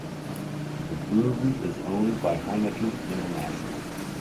The brewery is owned by Heineken International.